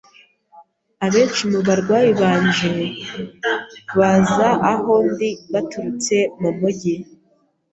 Abenshi mu barwayi banje baza aho ndi baturutse mu mujyi.